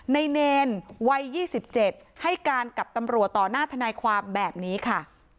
เนรวัย๒๗ให้การกับตำรวจต่อหน้าทนายความแบบนี้ค่ะ